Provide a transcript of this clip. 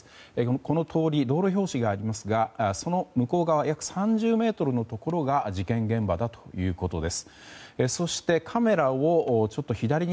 この通り、道路標識がありますがその向こう側約３０ｍのところが事件現場だということです。